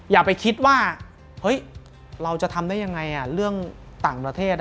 อย่าไปคิดว่าเฮ้ยเราจะทำได้ยังไงเรื่องต่างประเทศ